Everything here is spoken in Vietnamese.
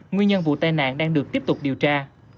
nguyên nhân vụ tai nạn đang được tiếp tục điều tra